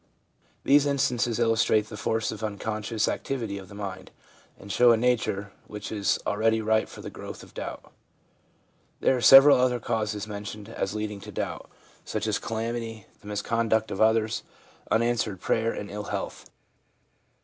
These instances illustrate the force of the uncon scious activity of the mind, and show a nature which is already ripe for the growth of doubt. There are several other causes mentioned as leading to doubt, such as calamity, the misconduct of others, 236 THE PSYCHOLOGY OF RELIGION unanswered prayer and ill health.